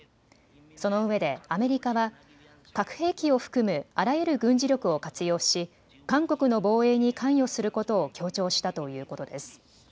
そのうえでアメリカは核兵器を含むあらゆる軍事力を活用し韓国の防衛に関与することを強調したということです。